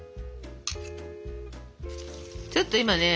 ちょっと今ね